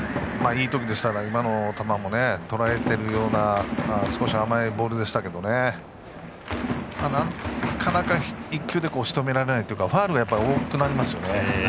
いいときでしたら今の球もとらえているような甘いボールでしたけどなかなか１球でしとめられないとかファウルが多くなりますよね。